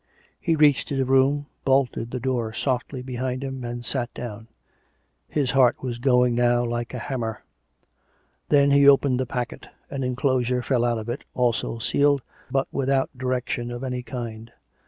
He reached his room, bolted the door softly behind him, and sat down. His heart was going now like a hammer. Then he opened the packet; an enclosure fell out of it, also sealed, but without direction of any kind.